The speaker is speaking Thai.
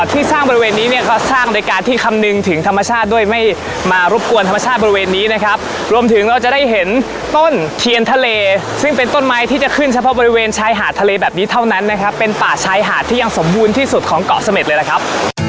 ที่สร้างบริเวณนี้เนี่ยก็สร้างโดยการที่คำนึงถึงธรรมชาติด้วยไม่มารบกวนธรรมชาติบริเวณนี้นะครับรวมถึงเราจะได้เห็นต้นเทียนทะเลซึ่งเป็นต้นไม้ที่จะขึ้นเฉพาะบริเวณชายหาดทะเลแบบนี้เท่านั้นนะครับเป็นป่าชายหาดที่ยังสมบูรณ์ที่สุดของเกาะเสม็ดเลยล่ะครับ